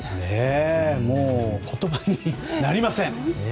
もう、言葉になりません。